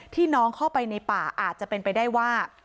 น้องเข้าไปในป่าอาจจะเป็นไปได้ว่า